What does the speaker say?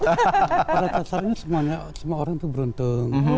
pada saat ini semuanya semua orang tuh beruntung